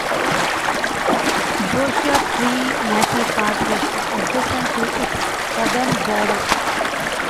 Joshua Tree National Park is adjacent to its southern border.